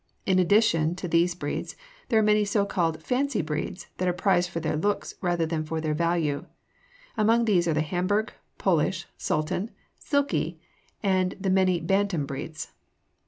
In addition to these breeds, there are many so called fancy breeds that are prized for their looks rather than for their value. Among these are the Hamburg, Polish, Sultan, Silkie, and the many Bantam breeds.